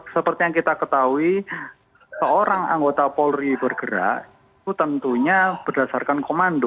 seperti yang kita ketahui seorang anggota polri bergerak itu tentunya berdasarkan komando